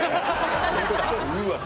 うわっ！